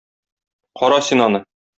Кара син аны.